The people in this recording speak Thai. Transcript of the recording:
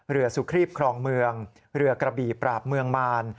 เรือสุครีบครองเมืองเรือกระบี่ปราบเมืองมาร